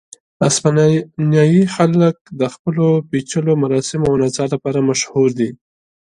اسپانیایي خلک د خپلو پېچلیو مراسمو او نڅاو لپاره مشهور دي.